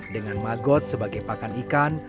dengan magot sebagai pakan ikan